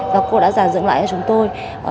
và cô đã giả dựng lại cho chúng tôi